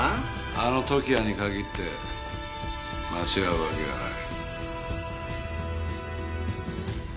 あの時矢に限って間違うわけがない。